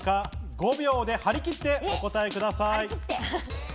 ５秒で、はりきってお答えください。